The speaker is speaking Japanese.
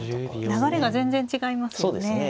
流れが全然違いますよね。